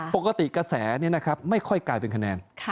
กระแสนี้นะครับไม่ค่อยกลายเป็นคะแนน